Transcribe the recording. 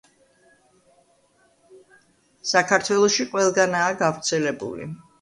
საქართველოში ყველგანაა გავრცელებული.